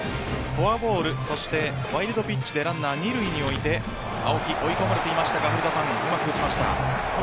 フォアボールそしてワイルドピッチでランナー２塁に置いて青木、追い込まれていましたが古田さん、うまく打ちました。